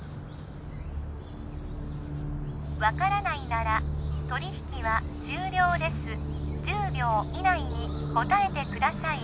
分からないなら取引は終了です１０秒以内に答えてください